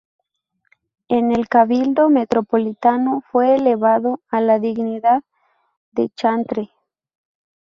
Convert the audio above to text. En el Cabildo Metropolitano fue elevado a la dignidad de chantre.